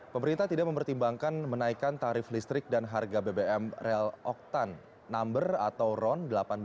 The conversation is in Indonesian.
pemerintah tidak mempertimbangkan menaikkan tarif listrik dan harga bbm rel oktan number atau ron delapan belas